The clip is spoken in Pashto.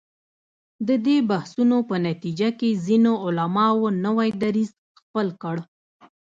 د دې بحثونو په نتیجه کې ځینو علماوو نوی دریځ خپل کړ.